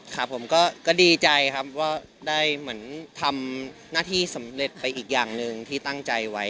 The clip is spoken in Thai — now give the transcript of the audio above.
ครับผมก็ดีใจครับว่าได้เหมือนทำหน้าที่สำเร็จไปอีกอย่างหนึ่งที่ตั้งใจไว้